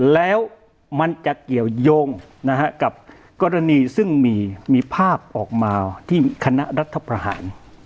แล้วมันจะเกี่ยวยงกับกรณีซึ่งมีภาพออกมาที่คณะรัฐประหาร